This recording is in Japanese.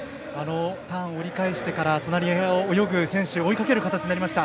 ターン折り返してから隣を泳ぐ選手を追いかける形になりました。